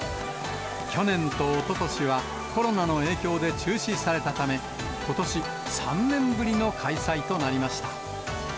去年とおととしは、コロナの影響で中止されたため、ことし３年ぶりの開催となりました。